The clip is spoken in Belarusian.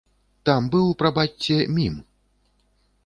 Там быў, прабачце, мім!